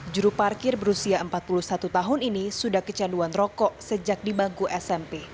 juru parkir berusia empat puluh satu tahun ini sudah kecanduan rokok sejak di bangku smp